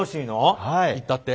いったって。